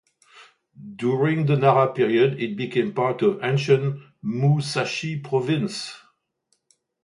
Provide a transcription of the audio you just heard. During the Nara period, it became part of ancient Musashi Province.